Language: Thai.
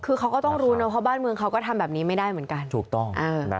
คือเขาก็ต้องรู้เนอะเพราะบ้านเมืองเขาก็ทำแบบนี้ไม่ได้เหมือนกันถูกต้อง